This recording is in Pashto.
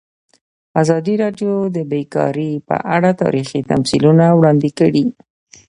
ازادي راډیو د بیکاري په اړه تاریخي تمثیلونه وړاندې کړي.